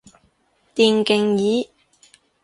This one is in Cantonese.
電競椅